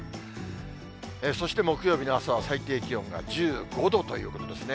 そして、木曜日の朝は最低気温が１５度ということですね。